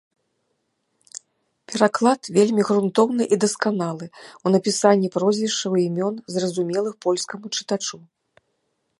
Пераклад вельмі грунтоўны і дасканалы ў напісанні прозвішчаў і імён зразумелых польскаму чытачу.